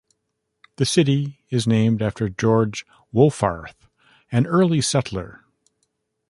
The city is named after George Wolffarth, an early settler.